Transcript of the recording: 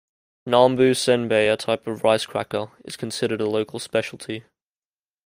"Nambu Senbei," a type of rice cracker, is considered a local specialty.